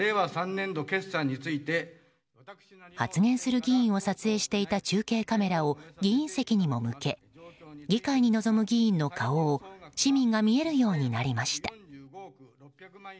発言する議員を撮影していた中継カメラを議員席にも向け議会に臨む議員の顔を市民が見えるようになりました。